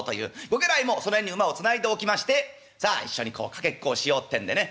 ご家来もその辺に馬をつないでおきましてさあ一緒にかけっこをしようってんでね。